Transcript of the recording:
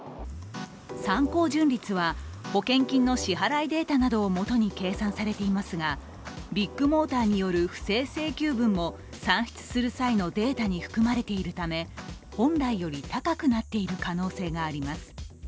参考純率は、保険金の支払いデータなどを基に計算されていますがビッグモーターによる、不正請求分も算出する際のデータに含まれているため、本来より高くなっている可能性があります。